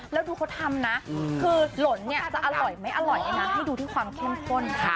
แล้วดูเขาทำนะคือหล่นเนี่ยจะอร่อยไม่อร่อยนะให้ดูที่ความเข้มข้นค่ะ